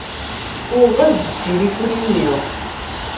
Uɣeɣ-as-d tilifun i mmi.